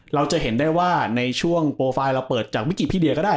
เราจะเห็นได้ว่าในช่วงโปรไฟล์เราเปิดจากวิจิพี่เดียก็ได้